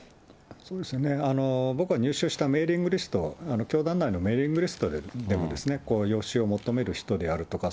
そうですね、僕は入手したメーリングリスト、教団内のメーリングリストでも、養子を求める人であるとか、